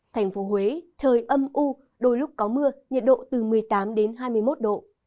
thành phố huế trời âm u đôi lúc có mưa nhiệt độ từ một mươi tám hai mươi một độ